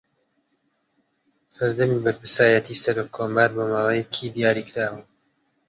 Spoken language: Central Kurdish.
سەردەمی بەرپرسایەتی سەرۆککۆمار بۆ ماوەیەکی دیاریکراوە